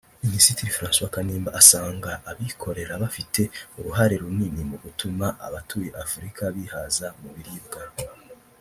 Minisitiri Francois Kanimba asanga abikorera bafite uruhare runini mu gutuma abatuye Afurika bihaza mu biribwa